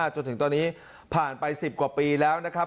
จนถึงตอนนี้ผ่านไป๑๐กว่าปีแล้วนะครับ